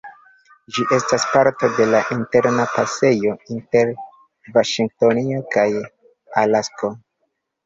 Ĝi estas parto de la Interna Pasejo inter Vaŝingtonio kaj Alasko.